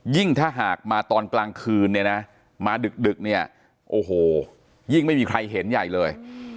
ถ้าหากมาตอนกลางคืนเนี่ยนะมาดึกเนี่ยโอ้โหยิ่งไม่มีใครเห็นใหญ่เลย